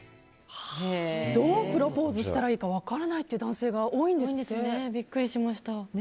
どうプロポーズしたらいいか分からないという男性がビックリしました。